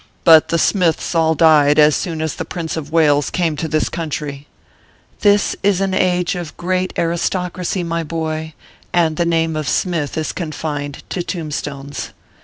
but the Smiths all died as soon as the Prince of Wales came to this country/ This is an age of great aristocracy, my boy, and the name of Smith is confined to tombstones.